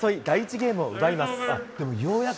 ゲームを奪います。